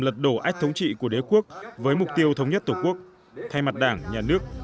lật đổ ách thống trị của đế quốc với mục tiêu thống nhất tổ quốc thay mặt đảng nhà nước